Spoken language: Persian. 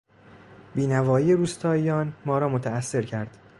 بینوایی روستائیان ما را متاثر کرد.